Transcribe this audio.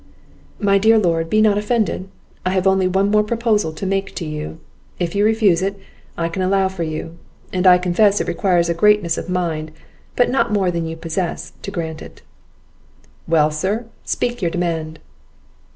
"My dear Lord, be not offended, I have only one more proposal to make to you; if you refuse it, I can allow for you; and I confess it requires a greatness of mind, but not more than you possess, to grant it." "Well, sir, speak your demand."